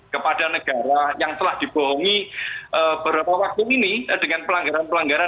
kepada negara yang telah dibohongi beberapa waktu ini dengan pelanggaran pelanggaran